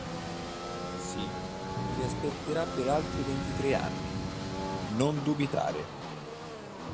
Sì, ti aspetterà per altri ventitre anni, non dubitare!